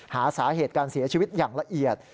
หาสาเหตุการเสียชีวิตอย่างละเอียด